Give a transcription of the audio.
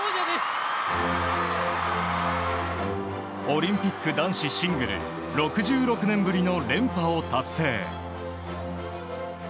オリンピック男子シングル６６年ぶりの連覇を達成。